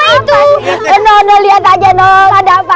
itu pasti gerak gerak